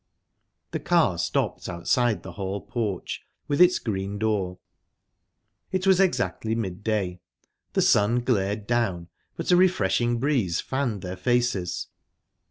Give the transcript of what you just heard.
The car stopped outside the hall porch, with its green door. It was exactly mid day. The sun glared down, but a refreshing breeze fanned their faces.